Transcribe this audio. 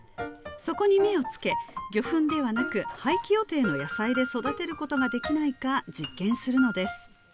そこに目をつけ魚粉ではなく廃棄予定の野菜で育てることができないか実験するのです